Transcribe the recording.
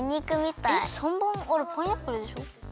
えっ３ばんあれパイナップルでしょ？